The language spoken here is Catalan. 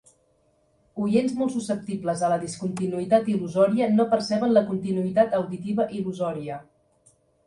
Oients molt susceptibles a la discontinuïtat il·lusòria no perceben la continuïtat auditiva il·lusòria.